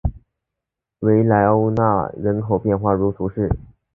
维莱欧讷人口变化图示